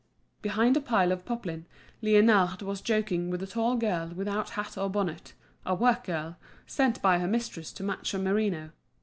Behind a pile of poplin, Liénard was joking with a tall girl without hat or bonnet, a work girl, sent by her mistress to match some merino.